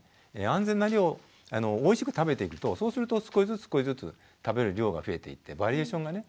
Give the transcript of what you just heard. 安全な量をおいしく食べていくとそうすると少しずつ少しずつ食べる量が増えていってバリエーションがね